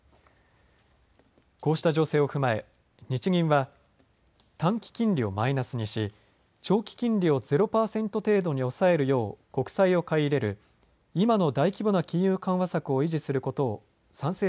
こうした情勢を踏まえ日銀は短期金利をマイナスにし、長期金利をゼロ％程度に抑えるよう国債を買い入れる今の大規模な金融緩和策を維持することを賛成